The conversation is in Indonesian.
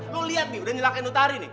lo lihat nih udah nyelakkan utari nih